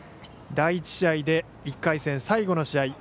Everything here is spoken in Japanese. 第１試合で１回戦、最後の試合。